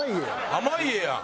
濱家やん！